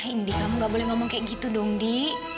indi kamu gak boleh ngomong kayak gitu dong ndi